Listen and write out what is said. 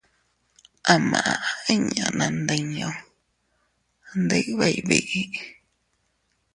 A maʼa inña naandinñu ndibeʼey biʼi.